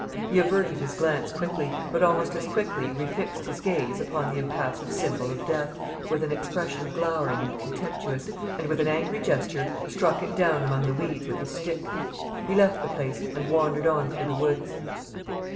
He averted his glance quickly, but almost as quickly refixed his gaze upon the impassive symbol of death, with an expression glowering and contemptuous, and with an angry gesture struck it down among the weeds with his stick. He left the place, and wandered on through the woods.